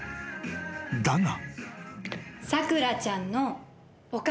［だが］